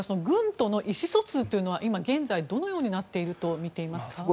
軍との意思疎通というのは今現在どのようになっているとみていますか。